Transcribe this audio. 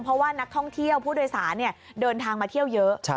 เพราะว่านักท่องเที่ยวผู้โดยสารเดินทางมาเที่ยวเยอะ